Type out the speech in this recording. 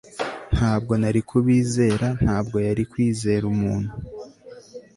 ntabwo nari kubizera, ntabwo yari kwizera umuntu